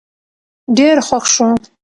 ډېر خوښ شو